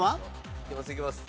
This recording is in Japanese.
いけますいけます。